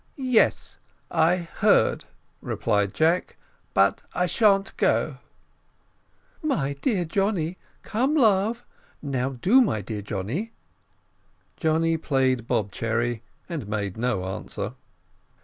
"Yes, I heard," replied Jack; "but I shan't go." "My dear Johnny come, love now do, my dear Johnny." Johnny played bob cherry, and made no answer.